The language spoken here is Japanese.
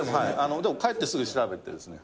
でも帰ってすぐ調べてですね。